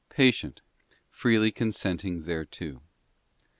patient, freely consenting thereto.